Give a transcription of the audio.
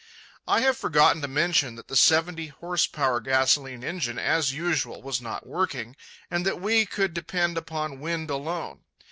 I have forgotten to mention that the seventy horse power gasolene engine, as usual, was not working, and that we could depend upon wind alone.